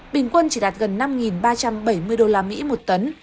bình quân chỉ đạt gần năm ba trăm bảy mươi usd một tấn